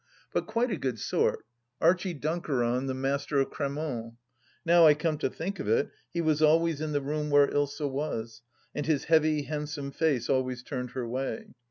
But quite a good sort — ^Archie Dunkeron, the Master of Cramont. ... Now I come to think of it, he was always in the room where Ilsa was, and his heavy handsome face always turned her way.